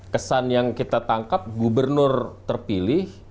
kesan yang kita tangkap gubernur terpilih